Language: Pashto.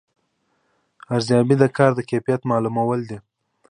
ارزیابي د کار د کیفیت معلومول دي